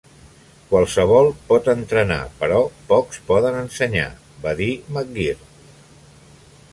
"Qualsevol pot entrenar però pocs poden ensenyar", va dir McGirt.